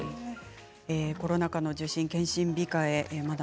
コロナ禍での受診・健診控え